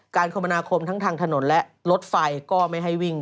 คมนาคมทั้งทางถนนและรถไฟก็ไม่ให้วิ่ง